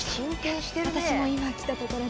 私も今来たところです。